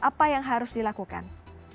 apa yang harus dilakukan